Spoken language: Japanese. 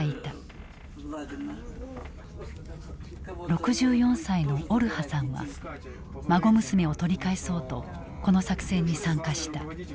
６４歳のオルハさんは孫娘を取り返そうとこの作戦に参加した。